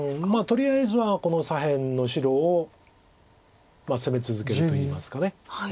とりあえずはこの左辺の白を攻め続けるといいますか。